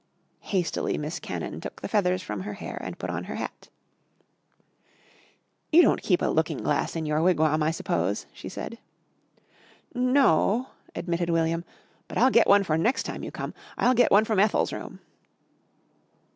Hastily Miss Cannon took the feathers from her hair and put on her hat. "You don't keep a looking glass in your wigwam I suppose?" she said. "N no," admitted William. "But I'll get one for next time you come. I'll get one from Ethel's room."